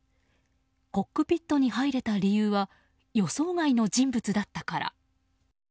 コックピットに入れた理由は予想外の人物だったから。